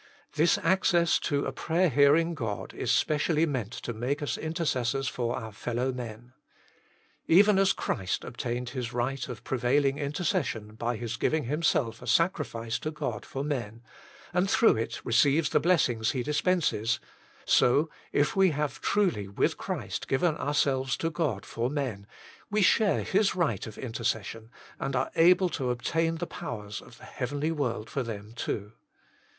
This access to a prayer hearing God is specially meant to make us intercessors for 150 THE MINISTRY OF INTERCESSION our fellow men. Even as Christ obtained His right of prevailing intercession by His giving Himself a sacri fice to God for men, and through it receives the bless ings He dispenses, so, if we have truly with Christ given ourselves to God for men, we share His right of intercession, and are able to obtain the powers of the heavenly world for them too.